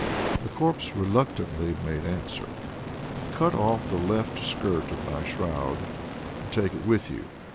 The corpse reluctantly made answer: "Cut off the left skirt of my shroud, and take it with you.